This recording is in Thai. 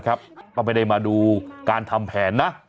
ก็ไม่ได้มาดูการทำแผนนะ